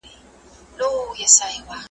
رشتیا خبري یا مست کوي یا لېوني